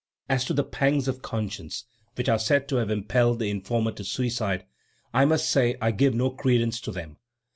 As to the pangs of conscience which are said to have impelled the informer to suicide, I must say that I give no credence to them.